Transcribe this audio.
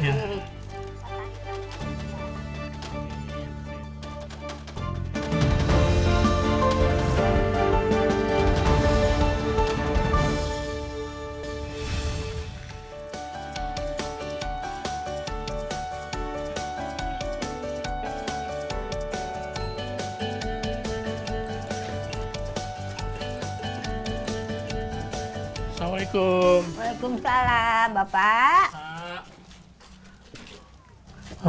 ini untuk teman ibu mak